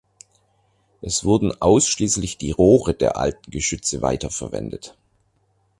Es wurden ausschließlich die Rohre der alten Geschütze weiter verwendet.